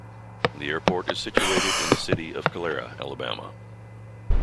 The airport is situated in the city of Calera, Alabama.